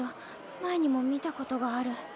前にも見たことがある。